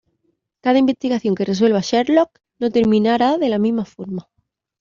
Cada investigación que resuelva Sherlock no terminara de la misma forma.